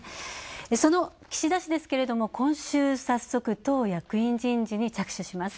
その岸田氏ですけれど、今週、早速、党役員人事に着手します。